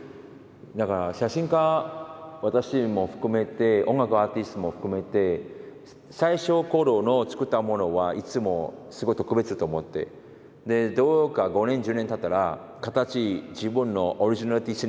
だから写真家私も含めて音楽アーティストも含めて最初の頃の作ったものはいつもすごい特別と思って５年１０年たったら形自分のオリジナル出てきてるじゃないですか。